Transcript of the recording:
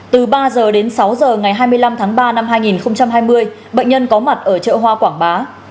từ ba h đến sáu h ngày hai mươi năm tháng ba năm hai nghìn hai mươi bệnh nhân có mặt ở chợ hoa quảng bá